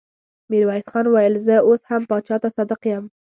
ميرويس خان وويل: زه اوس هم پاچا ته صادق يم.